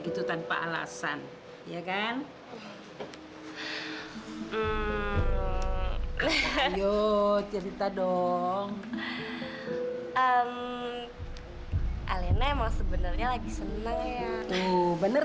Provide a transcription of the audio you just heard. gitu tanpa alasan ya kan yo cerita dong emm alennya mau sebenarnya lagi senang ya bener